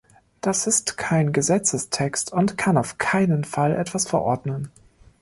Das ist kein Gesetzestext und kann auf keinen Fall etwas verordnen.